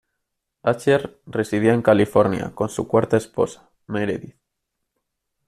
Asher residía en California, con su cuarta esposa, Meredith.